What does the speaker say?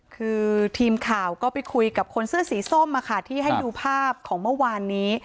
คือทีมข่าวก็ไปคุยกับคนเสื้อสีส้มที่ให้ดูภาพของเมื่อวานนี้